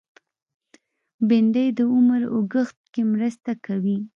بېنډۍ د عمر اوږدښت کې مرسته کوي